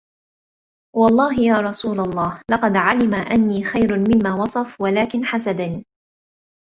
وَاَللَّهِ يَا رَسُولَ اللَّهِ لَقَدْ عَلِمَ أَنِّي خَيْرٌ مِمَّا وَصَفَ وَلَكِنْ حَسَدَنِي